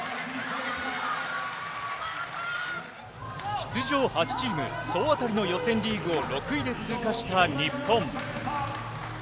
出場８チーム、総当たりの予選リーグを６位で通過した日本。